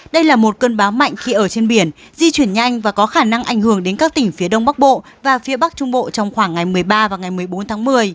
đây là một cơn bão mạnh khi ở trên biển di chuyển nhanh và có khả năng ảnh hưởng đến các tỉnh phía đông bắc bộ và phía bắc trung bộ trong khoảng ngày một mươi ba và ngày một mươi bốn tháng một mươi